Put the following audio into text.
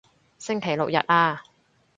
星期六日啊